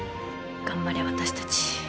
頑張れ私たち。